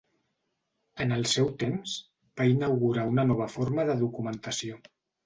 En el seu temps, va inaugurar una nova forma de documentació.